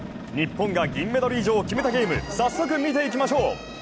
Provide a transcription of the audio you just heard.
日本が銀メダル以上を決めたゲーム、早速見ていきましょう。